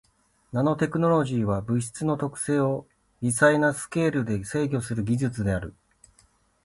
ナノテクノロジーは物質の特性を微細なスケールで制御する技術である。